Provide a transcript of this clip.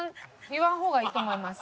やめた方がいいと思います。